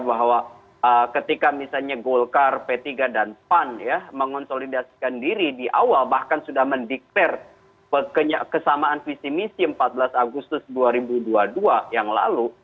bahwa ketika misalnya golkar p tiga dan pan ya mengonsolidasikan diri di awal bahkan sudah mendeklarasi kesamaan visi misi empat belas agustus dua ribu dua puluh dua yang lalu